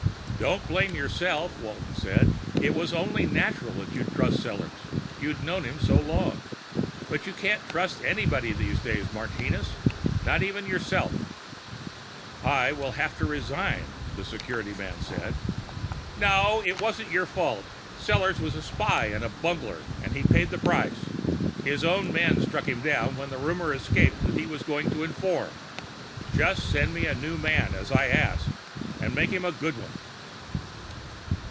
"Don't blame yourself," Walton said. "It was only natural that you'd trust Sellors; you'd known him so long. But you can't trust anyone these days, Martinez. Not even yourself." "I will have to resign," the security man said. "No. It wasn't your fault. Sellors was a spy and a bungler, and he paid the price. His own men struck him down when that rumor escaped that he was going to inform. Just send me a new man, as I asked and make him a good one!"